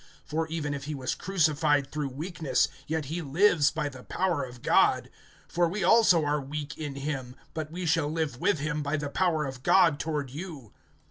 (4)For even if he was crucified through weakness, yet he lives by the power of God. For we also are weak in him, but we shall live with him by the power of God toward you.